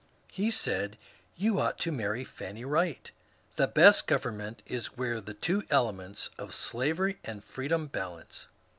He said, "You ought to marry Fanny Wright. The best government is where the two elements of slavery and freedom balance.